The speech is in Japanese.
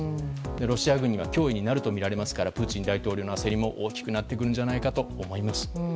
ロシア軍が脅威になるとみられますからプーチン大統領の焦りも大きくなってくるんじゃないかと思います。